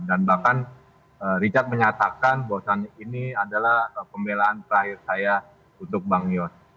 dan bahkan richard menyatakan bahwasannya ini adalah pembelaan terakhir saya untuk bang yos